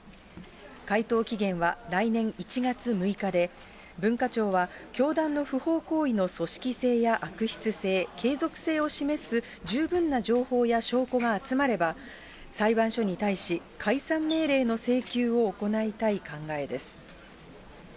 回答期限は来年１月６日で、文化庁は教団の不法行為の組織性や悪質性、継続性を示す十分な情報や証拠が集まれば、裁判所に対し、解散命令の請求を行いたい考えです。